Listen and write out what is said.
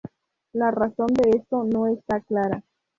La razón de esto no está clara.